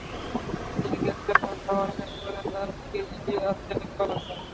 তিনি দেখতে পান, খাওয়া শেষ করে তাঁর দিকেই এগিয়ে আসছেন ইকবাল হাসান।